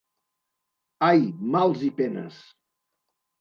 Ai, mals i penes!